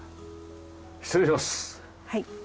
はい。